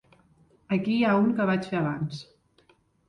Aquí hi ha un que vaig fer abans!